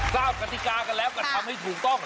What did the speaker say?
กติกากันแล้วก็ทำให้ถูกต้อง